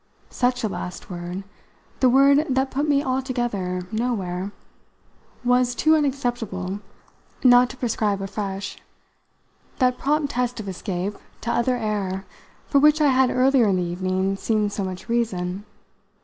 Such a last word the word that put me altogether nowhere was too unacceptable not to prescribe afresh that prompt test of escape to other air for which I had earlier in the evening seen so much reason.